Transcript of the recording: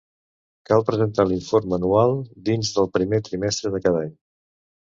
Cal presentar l'informe anual dins del primer trimestre de cada any.